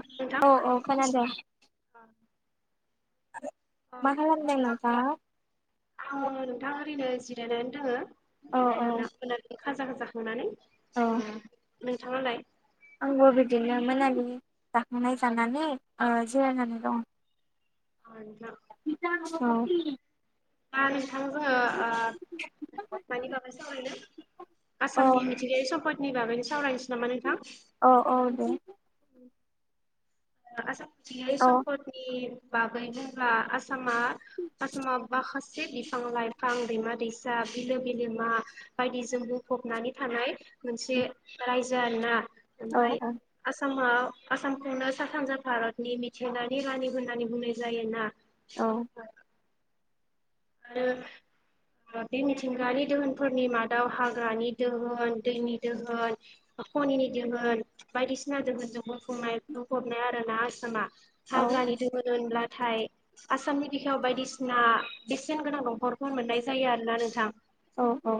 नोंथां औ-औ खोनादों। [unintelligible] मा खालामदों नोंथाङा? जिरायनानै औ दोङो औ खाजा जाखांनानै औ ओ। नोंथाङालाय। आंबो बिदिनो मोनानि जाखांनाय जानानै ओ जिरायनानै दं। अ नोंथां। औ। दा नोंथां जोङो ओ मानि बागै सावरायनो? आसामनि मिथिंगायारि सम्पदनि बागै सावरायनोसै। नामा नोंथां औ-औ दे। आसामनि मिथिंगायारि औ सम्फदनि बागै बुंब्ला आसामा आसामाव माखासे बिफां-लाइफां, दैमा-दैसा। बिलो बिलोमा बायदिजों बुंफबनानै थानाय। मोनसे रायजो आरोना औ ओमफाय आसामाव आसामखौनो सा सानजा भारतनि मिथिंगानि रानि होननानै बुंनाय जायोना। औ। आरो। बे मिथिंगायारि दोहोनफोरनि मादाव हाग्रानि दोहोन, दैनि दोहोन। खनिनि दोहोन बायदिसिना दोहोनजों बुंफुंनाय बुंफबनाय आरो ना आसामा। औ हाग्रानि दोहोन होनब्लाथाय आसामनि बिखायाव बायदिसिना। बेसेन गोनां दंफांफोर मोननाय जायो आरो ना नोंथां। औ-औ।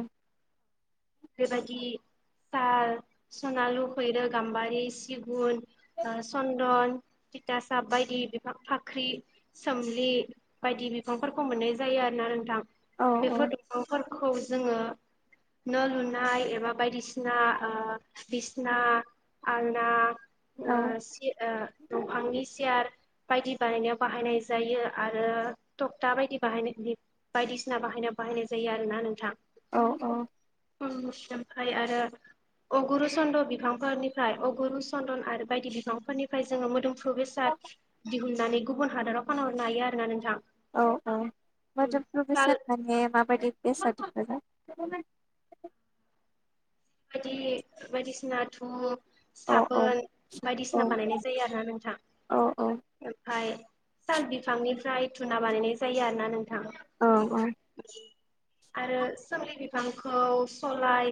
बेबायदि साल, सनालु, खैरो, गाम्बारि, सिगुन ओ सन्दन। थिथासाब बायदि बिफां फाख्रि, सोमलि बायदि बिफांफोरखौ मोननाय जायो आरोना नोंथां। औ बेफोर दंफांफोरखौ जोङो। न' लुनाय एबा बायदिसिना बिसना ओ बिसना आलना। ओ सि ओ दंफांनि सियार। बायदि बानायनायाव बाहायनाय जायो आरो थकता बायदि बाहाय बायदिसिना बाहायनायाव। बाहायनाय जायो आरो ना नोंथां। औ-औ। ओमफ्राय आरो। अगुरु चन्द बिफांफोरनिफ्राय अगुरु चन्दन आरो बायदि बिफांफोरनिफ्राय जोङो मोदोम [unintelligible] बेसाद दिहुननानै गुबुन हादराव फानहरनो हायो आरोना नोंथां। औ औ मोदोमफ्रु बेसाद साल माने माबायदि? बेसाद एबा [unintelligible] बायदि बायदि सिनाथ' औ औ साबोन बायदि औ सिना बानायनाय जायो आरोना नोंथां औ ओमफाय साल बिफां निफ्राय धुना बानायनाय जायो आरो ना नों औ औ। आरो सोमलि बिफांखौ सलाय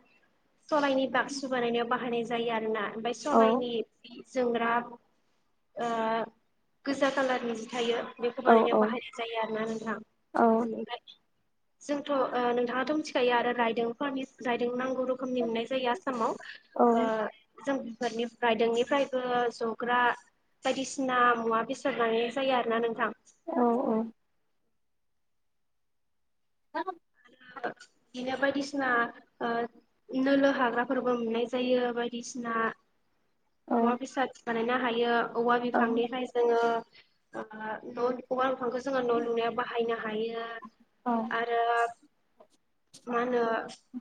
सलायनि बाक्सु बानाय नायाव बाहायनाय जायो आरो ना ओमफ्राय औ सलायनि जोमग्रा ओ गोजा खालारनि जि थायो बेखौ बानायनो औ बाहायनाय जायो आरोना नोंथां बेनिफ्राय जोंथ' नोंथाङाथ' मिथिखायो आरो रायदों [unintelligible] रायदों नांगौ रोखोमनि मोननाय जायो आसामाव ओ जों फोरनि रायदों निफ्रायबो जग्रा बायदि सिना मुवा बेसाद बानायनाय जायो आरोना नोंथां। औ [unintelligible] बिदिनो बायदिसिना ओ नोलो हाग्रा फोरबो मोननाय जायो बायदिसिना औ मुवा बेसाद बानायनो हायो औवा औ बिफांनि फ्राय जोङो [unintelligible] जोङो न' लुनायाव बाहायनो हायो औ आरो मा होनो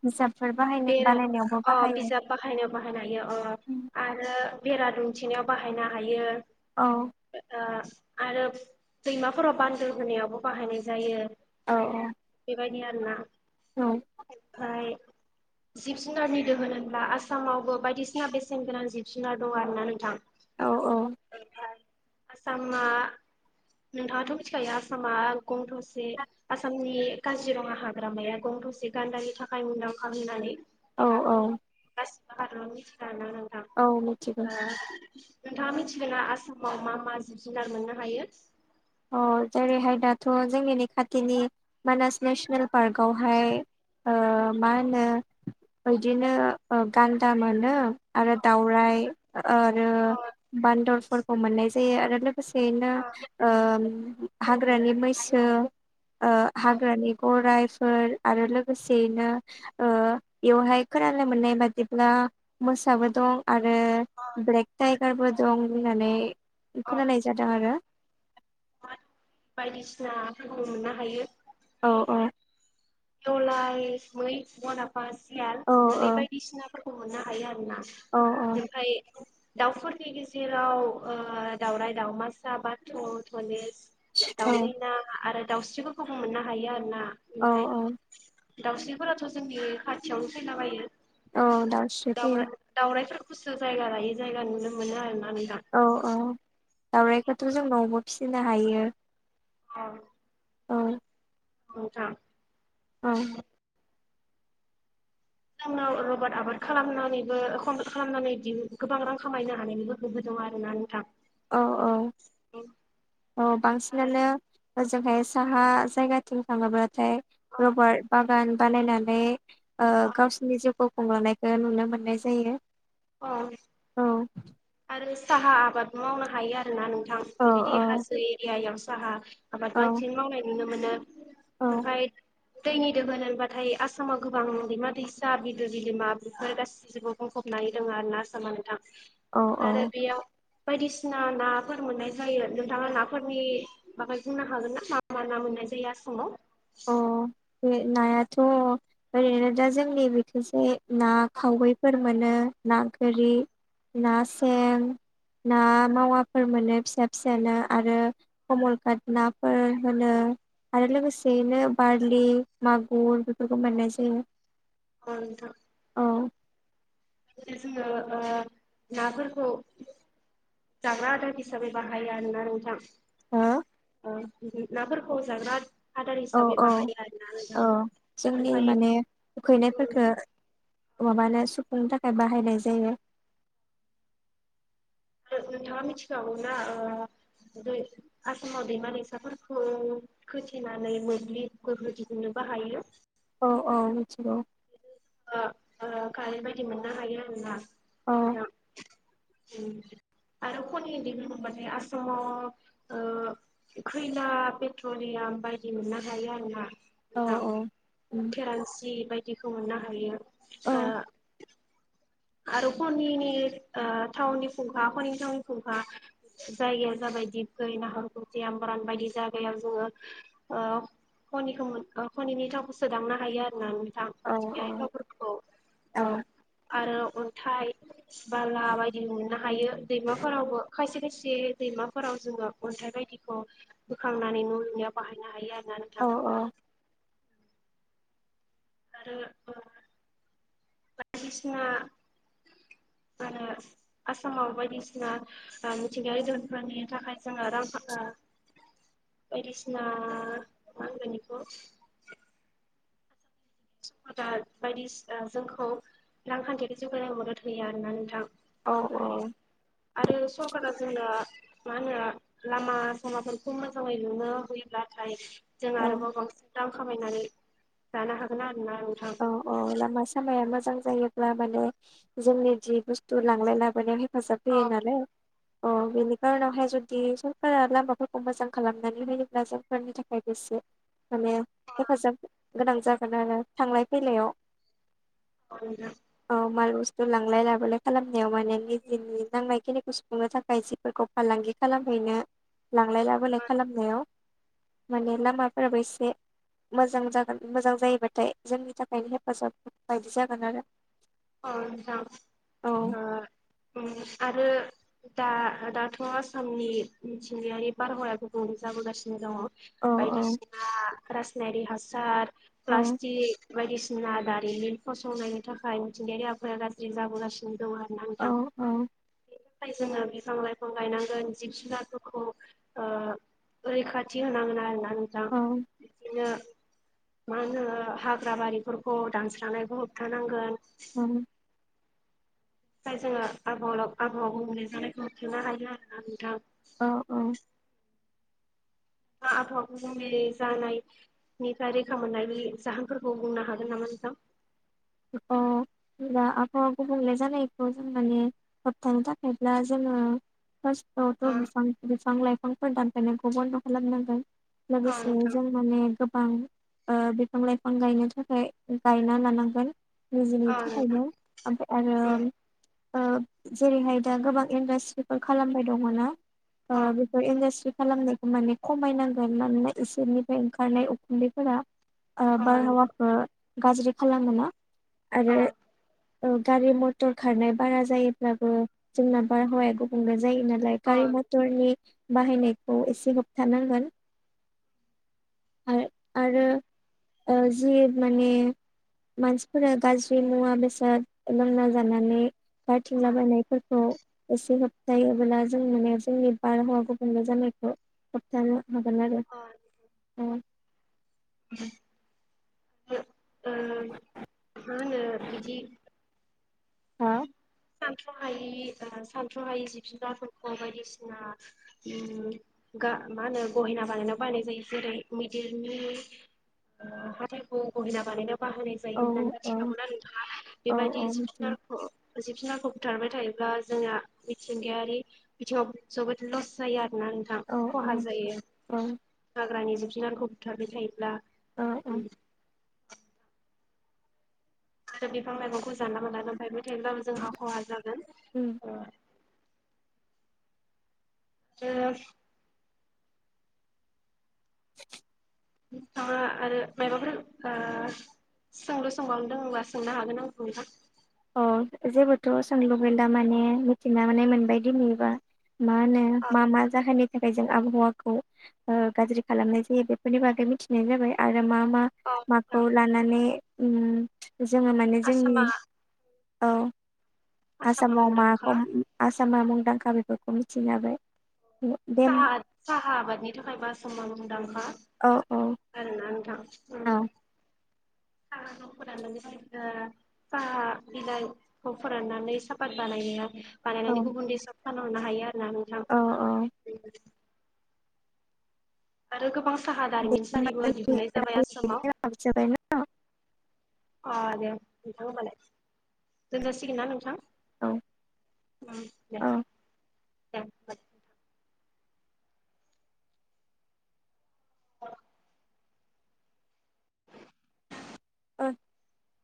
बिजाबफोर बाहायनाय बेरा बानायनायावबो अ बाहायो बिजाब बाहाय नायाव बाहायनो हायो अ आरो बेरा दुमथि नायाव बाहायनो हायो। औ ओ आरो दैमा फोराव बान्दो होनायावबो बाहायनाय जायो। औ औ। बायदि आरो ना औ ओमफाय जिब जुनारनि दोहोन होनब्ला आसामावबो बायदि सिना बेसेन गोनां जिब जुनार दङ आरोना नोंथां। औ औ। ओमफ्राय आसामा नोंथाङाथ' मिथिखायो आसामा गं थसे आसामनि काजिरङा हाग्रामाया गं थसे गान्दानि थाखाय मुंदां खामि नानै औ औ। [unintelligible] मिथिना नोंथां औ मिथिगौ ओ नोंथाङा मिथिगोना आसामाव मा मा जिब- जुनार मोननो हायो? अ जेरै हाय दाथ' जोंनिनि खाथिनि मानास नेसनेल पार्कगाव हाय ओ मा होनो बिदिनो ओ गान्दा मोनो आरो दावराइ ओ आरो बान्दर फोरखौ मोननाय जायो आरो लोगो लोगो सेयैनो ओ हाग्रानि मैसो ओ हाग्रानि गराइ फोर आरो लोगोसेयैनो ओ बेयाव हाय खोनानो मोननाय बादिब्ला मोसाबो दं। आरो ब्लेक टाइगारबो दं होननानै खोनानाय जादों आरो। [inaudible] बायदिसिना फोरबो मोननो हायो। औ औ। जलाय, मै, बनाफा, सियाल, औ मोदै बायदिसिना फोरखौ मोननो हायो आरो। अना औ ओमफ्राय दाउ फोरनि गेजेराव ओ दाउराइ दावमासा बाथ' घनेज दाउ मैना आरो दाउस्रि फोरखौ मोननो हायो आरो ना औ ओमफ्राय औ दाउस्रि फोराथ' जोंनि खाथियावनो फैलाबायो। औ दाउस्रि फैयो दाउरा दाउराय फोरखौसो जायगा लायै जायगा नुनो मोनो आरो। आं नोंथां दाउरखौथ' जों न'आवबो फिसिनो हायो। अ' ओं नोंथां उम। जोंनाव रबार्ट आबाद खालामनानैबो कम खालामनानै दिहु गोबां रां खामायनो हानायनि गोहो दं। दं आरो ना नोंथां। औ औ औ ओमफ्राय बांसिनानो होज जोंहाय साहा जायगाथिं थाङोब्लाथाय अ रबारट बागान बानायनानै। ओ अ गावसिनि जिउखौ खुंलांनायखौ नुनो मोननाय जायो। औ। औ आरो साहा आबादबो मावनो हायो आरोना नोंथां। औ बेबायदि हाजो एरियायाव साहा। आबाद औ बांसिन मावनाय नुनो मोनो औ ओमफाय। दैनि दोहोन होनबाथाय आसामाव गोबां दैमा दैसा बिदो बिलिमा बेफोर गासि [unintelligible] गं फबनानै दोङो आरोना आसामा नोंथां। औ औ आरो बेयाव। बायदिसिना नाफोर मोननाय जायो। नोंथाङा नाफोरनि बागै बुंनो हागोन ना मा मा ना मोन मोननाय जायो आसामाव। अ बे नायाथ' ओरैनो दा जोंनि बेखैजाय ना खाउयैफोर मोनो। ना गोरि ना सें। ना मावाफोर मोनो फिसा फिसानो आरो कमलकात नाफोर होनो। आरो लोगोसेयैनो बारलि मागुर बेफोरखौ मोननाय जायो। औ नोंथां। औ दा जोङो ओ नाफोरखौ जाग्रा आदार हिसाबै बाहाया होनना नोंथां। हो ओ उम नाफोरखौ जाग्रा आदार औ हिसाबै औ बाहाया आरोना नोंथां औ जोंनि ओमफाय माने उखैनायफोरखो माबानो सुफुंनो थाखाय बाहायनाय जायो। ओ नोंथाङा मिथिखागौ ना ओ दै आसामाव दैमा दैसाफोरखौ खोथेनानै मोब्लिबखौ गोहो दिहुननो बाहायो‌। औ औ मिथिगौ। ओ ओ कारेन्ट बायदि मोननो हायो आरोना औ नोंथां उम आरो खलनि दै [unintelligible] बाथाय आसामाव ओ खैला पेट्रलिया याम बायदि मोननो हायो आरो ना। औ नोंथां उम थेरान्सि बायदिखौ मोननो हायो। औ ओ आरो हनिनि ओ थाउननि खंखा हनिनि थाउननि खुंखा जायगाया जाबाय दिबखै नाहरखुथि आमब्रान बायदि जायगायाव जोङो ओ खनिखौ मोन ओ खनिनि थावखौ सोदांनो हायो आरो ना नों औ औ ओ औ आरो अन्थाइ बाला बायदि मोननो हायो दैमाफोरावबो। खायसे खायसे दैमाफोराव जोङो अन्थाइ बायदिखौ बोखांनानै न' लुनायाव बाहायनो हायो आरो। औ औ आरो ओ बायदिसिना [inaudible] आरो आसामाव बायदिसिना ओ मिथिंगायारि धोहोनफोरनि थाखाय जोङो [unintelligible] [inaudible] बायदिसिना मा होनगोन इखौ? थिफुदार बायदिसि ओ जोंखौ रांखान्थियारि जौगानाय मदद हैया आरोना नोंथां। औ ओमपाय आरो सरकारा जोंना मा होनो लामा सामाफोरखौ मोजाङै लुनो होयोब्लाथाय जों औ आरोबाव बांसिन रां खामायनानै जानो हागोन आ औ औ लामा सामाया मोजां जायोब्ला माने जोंनि जि बुस्थु लांलाय लाबोलाय हेफाजाब होयो नालाय अ बेनि खारनावहाय जुदि बिदि सरकारा लामाफोरखौ मोजां खालामनानै होयोब्ला जोंफोरनि थाखायबो बेसे माने हेफाजाब गोनां जागोन आरो। थांलाय फैलायाव औ नोंथां औ माल बुस्थु लांलाय लाबोलाय खालाम नायाव माने निजेनि नांनाय खिनिखौ सुफुंनो थाखाय सिफोरखौ फालांगि खालामहैनो लांलाय लाबोलाय खालामनायाव माने लामाफोराबो एसे मोजां जागोन मोजां जायोबाथाय जोंनि थाखायनो हेफाजाब बायदि जागोन आरो। औ नोंथां औ ओ उम आरो दा दाथ' आसामनि मिथिंगायारि बारहावाया गुबुंले जाबोगासिनो दङ औ बायदिसिना रासायनारि हासार औ प्लास्टिक बायदिसिना दारिमिन फसंनायनि थाखाय मिथिंगायारि आबहावाया गाज्रि जाबोगासिनो दं आरोना औ नोंथां ओमफ्राय जोङो बिफां लाइफां गायनांगोन जिब जुनारफोरखौ ओ रैखाथि होनांगोन आरोना नोंथां औ बिदिनो मा होनो हाग्रा बारिफोरखौ दानस्रांनायबो होबथानांगोन। ओम। ओमफ्राय जोङो आबहावा आबहावा गुबुंले जानायखौ जानायखौ होबथानो हायो आरो ना नोंथां। औ औ आबहावा गुबुंले जानायनिफ्राय रैखा मोननायनि जाहोनफोरखौ बुंनो हागोन नामा नोंथां? औ। बिदिब्ला आबहावा गुबुंले जानायखौ जों माने होबथानो थाखायब्ला जोङो अ फार्स्टआवथ' बिफां लाइफांफोर दानफायनायखौ बन्द' खालामनांगोन। अ लोगोसे नोंथां जों माने गोब बां ओ बिफां लाइफां गायनो थाखाय गायना लानांगोन। निजिनि अ नोंथां थाखायनो ओमफ्राय उम आरो ओ जेरैहाय दा गोबां इन्डास्ट्रिफोर खालामबाय दङना ओ अ बेफोर इन्डासट्रि खालामनायखौ माने खमायनांगोन मानोना इसोरनिफ्राय ओंखारनाय उखुन्दैफोरा ओ अ नोंथां बारहावाखौ गाज्रि खालामो ना आरो अ ओ गारि मथर खारनाय बारा जायोब्लाबो जोंना बारहावाया गुबुंले जायो नालाय गारि मथरनि बाहायनायखौ एसे होबथानांगोन। आरो आरो ओ जि माने मानसि फोरा गाज्रि मुवा बेसाद लोंना जानानै गार्थिंलाबायनायफोरखौ एसे होबथायोब्ला जों माने जोंनि बारहावा गुबुंले जानायखौ होबथानो अ [unintelligible] [unintelligible] ओम मा होनो बिदि। हा? सानथ्र'हायि ओ सानथ्र'हायि जिब जुनारफोरखौ बायदिसिना ओम गा मा होनो गहेना बानायनायाव बाहायजायो जायो जेरै- मैदेरनि [unintelligible] बाहायनाय औ जायो होननानै औ मिथिखागौना नोंथाङा औ बेबायदि औ मिथियो जुनार जिब जुनारखौ बुथारबाय थायोब्ला जोंहा मिथिंगायारि बिथिङाव जोबोद लस जायो आरो ना नोंथां औ खहा जायो औ हाग्रानि जिब जुनारखौ बुथारबाय थायोब्ला। औ औ उम, आरो बिफां लाइफांखौ जानला-मोनला दानफायबाय थायोब्लाबो जोंहा खहा जागोन ओ [unintelligible] [unintelligible] आ आरो माबाफोर ओ सोंलु सोंबावनो दं‌ङोब्ला सोंनो हागोन आंखौ नोंथां। अ जेबोथ' सोंलुगोनदा माने मिथिना मोनबाय दिनैबा, मा होनो औ मा मा जाहोननि थाखाय जों आबहावाखौ गाज्रि खालामनाय जायो बेफोरनि बागै मिथिनाय जाबाय आरो मा मा नोंथां माखौ लानानै उम जोङो माने जोंनि आसामा औ आसामा आसामाव मुंदांखा माखौ आसामा रां खावरिफोरखौ मिथिनोहाबाय। साहा साहा आबादनि थाखाय आसामा मुंदांखा। औ औ। [unintelligible] साहा औ बिलाइफोरखौ फोराननानै सापात बानायनाय। बानायनानै औ गुबुन देसआव फानहरनो हायो आरो ना नोंथां। औ औ [inaudible] आरो गोबां साहा दे होमबा दारिमिनसालिबो जोंनि दिहुननाय जाबाय आसामाव। रायलायनायखौ दोनथ'नोसै ना अ दे नोंथां होमबालाय दोनजासिगोन ना नोंथां? औ ओम दे औ दोनबाय। औ। [unintelligible]